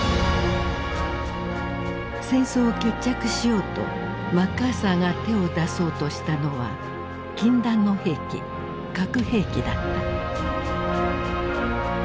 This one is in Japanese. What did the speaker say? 戦争を決着しようとマッカーサーが手を出そうとしたのは禁断の兵器核兵器だった。